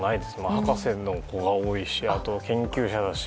博士の子が多いしあとは研究者だし。